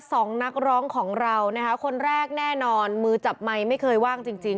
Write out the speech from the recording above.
สองนักร้องของเรานะคะคนแรกแน่นอนมือจับไมค์ไม่เคยว่างจริงจริง